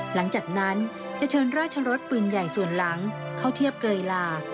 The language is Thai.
หลังจากนั้นจะเชิญราชรสปืนใหญ่ส่วนหลังเข้าเทียบเกยลา